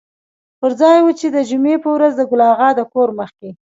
پر ځای و چې د جمعې په ورځ د ګل اغا د کور مخکې.